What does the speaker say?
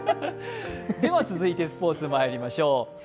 続いてスポーツまいりましょう。